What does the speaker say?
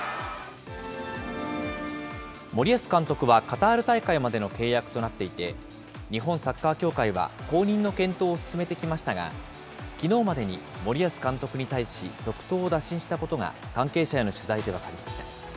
森保監督はカタール大会までの契約となっていて、日本サッカー協会は後任の検討を進めてきましたが、きのうまでに森保監督に対し、続投を打診したことが関係者への取材で分かりました。